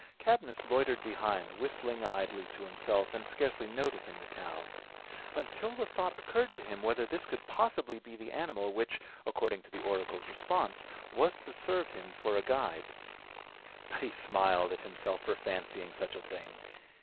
Cadmus loitered behind, whistling idly to himself, and scarcely noticing the cow; until the thought occurred to him, whether this could possibly be the animal which, according to the oracle's response, was to serve him for a guide. But he smiled at himself for fancying such a thing.